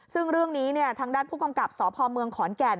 ซึ่งเรื่องนี้ทางด้านผู้กำกับสพเมืองขอนแก่น